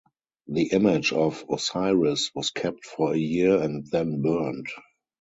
The image of Osiris was kept for a year and then burned.